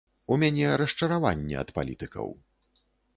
У мяне расчараванне ад палітыкаў.